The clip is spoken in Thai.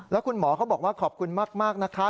แล้วคุณหมอเขาบอกว่าขอบคุณมากนะคะ